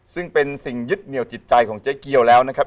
ซึ่งเป็นสิ่งยึดเหนียวจิตใจของเจ๊เกียวแล้วนะครับ